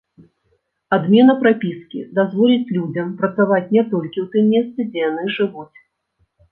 Адмена прапіскі дазволіць людзям працаваць не толькі ў тым месцы, дзе яны жывуць.